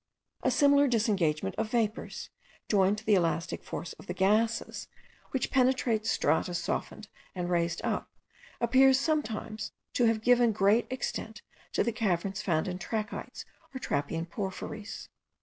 A similar disengagement of vapours, joined to the elastic force of the gases, which penetrate strata softened and raised up, appears sometimes to have given great extent to the caverns found in trachytes or trappean porphyries.